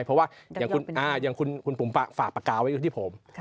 เพราะว่าอย่างคุณปุ๋มฝากปากกาไว้อยู่ที่ผม